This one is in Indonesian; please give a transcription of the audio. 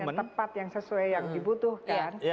yang tepat yang sesuai yang dibutuhkan